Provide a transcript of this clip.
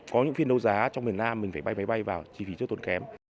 có những phiên đấu giá trong việt nam mình phải bay máy bay vào chi phí cho tốn kém